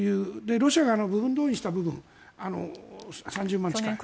ロシアが部分動員した３０万人近い。